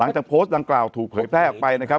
จากโพสต์ดังกล่าวถูกเผยแพร่ออกไปนะครับ